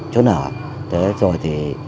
chỗ nở rồi thì